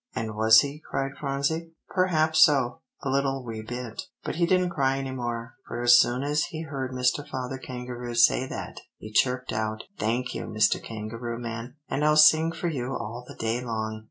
"And was he?" cried Phronsie. "Perhaps so a little wee bit. But he didn't cry any more; for as soon as he heard Mr. Father Kangaroo say that, he chirped out, 'Thank you, Mr. Kangaroo man, and I'll sing for you all the day long.